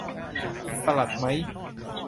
สลัดมั้ย